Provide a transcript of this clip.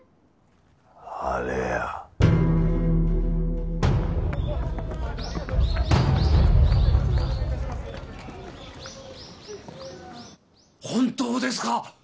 アレや本当ですか！？